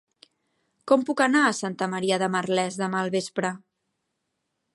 Com puc anar a Santa Maria de Merlès demà al vespre?